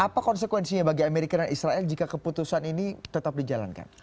apa konsekuensinya bagi amerika dan israel jika keputusan ini tetap dijalankan